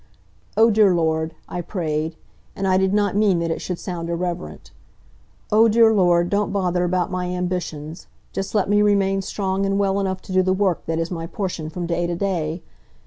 "O dear Lord," I prayed, and I did not mean that it should sound irreverent. "O dear Lord, don't bother about my ambitions! Just let me remain strong and well enough to do the work that is my portion from day to day.